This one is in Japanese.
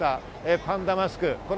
パンダマスク。